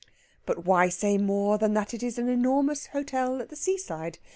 But why say more than that it is an enormous hotel at the seaside?